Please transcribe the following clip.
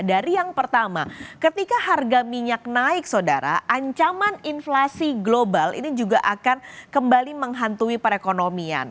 dari yang pertama ketika harga minyak naik saudara ancaman inflasi global ini juga akan kembali menghantui perekonomian